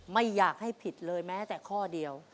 ไม่อยากให้ผิดเลยแม้แต่ข้อเดียว